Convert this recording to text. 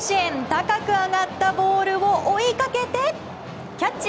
高く上がったボールを追いかけてキャッチ！